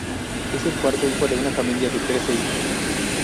Es el cuarto hijo de una familia de trece hijos.